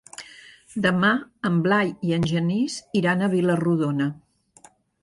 Demà en Blai i en Genís iran a Vila-rodona.